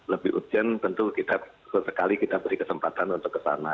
lebih urgent tentu kita sesekali kita beri kesempatan untuk kesana